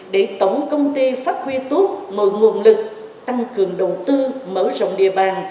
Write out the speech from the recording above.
để tổng công ty phát huy tốt mọi nguồn lực tăng cường đầu tư mở rộng địa bàn